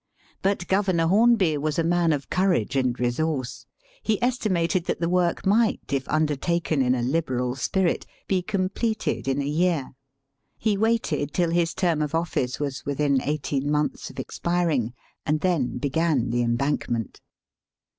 But Governor Hornby was a man of courage and resource. He estimated that the work might, if under taken in a liberal spirit, be completed in a year. He waited till his term of office was Digitized by VjOOQIC THE LIVEBPOOL OF INDIA. 173 within eighteen months of expiring and then began the embankment.